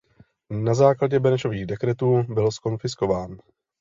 Na základě Benešových dekretů byl zkonfiskován.